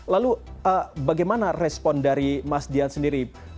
lalu bagaimana respon dari mas dian sendiri